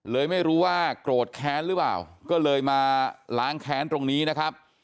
เลยไม่รู้ว่าโกรธแค้นหรือเปล่าก็เลยมาล้างแค้นตรงนี้นะครับ